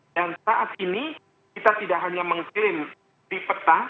dan saat ini kita tidak hanya mengklaim di peta